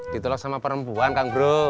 ditolak sama perempuan kang bro